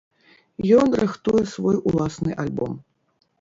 Ён рыхтуе свой уласны альбом.